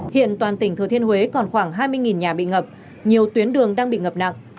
hiện toàn tỉnh thừa thiên huế còn khoảng hai mươi nhà bị ngập nhiều tuyến đường đang bị ngập nặng